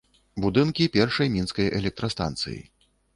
Будынкі першай мінскай электрастанцыі.